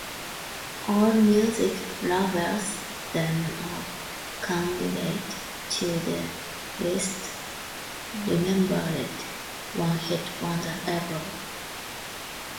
Allmusic labels them a candidate to the "least remembered one-hit wonder ever".